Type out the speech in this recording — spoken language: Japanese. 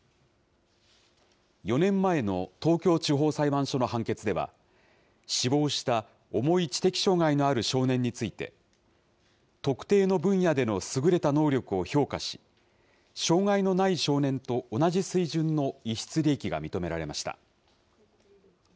４年前の東京地方裁判所の判決では、死亡した重い知的障害のある少年について、特定の分野での優れた能力を評価し、傷害のない少年と同じ水準の逸失利益が認められました。